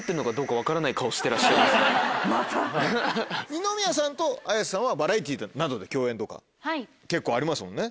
二宮さんと綾瀬さんはバラエティーなどで共演とか結構ありますもんね？